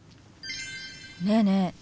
ねえねえ